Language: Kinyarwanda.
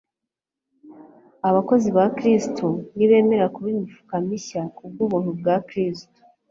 Abakozi ba Kristo nibemera kuba imifuka mishya kubw'ubuntu bwa Kristo,